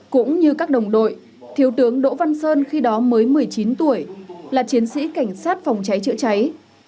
cũng như các đồng đội thiếu tướng đỗ văn sơn khi đó mới một mươi chín tuổi là chiến sĩ cảnh sát phòng cháy chữa cháy